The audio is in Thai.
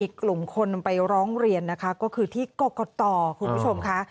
กลุ่มคนไปร้องเรียนนะคะก็คือที่กรกตคุณผู้ชมค่ะ